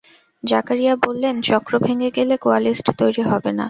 জাকারিয়া বললেন, চক্র ভেঙে গেলে কোয়ালিস্ট তৈরি হবে না।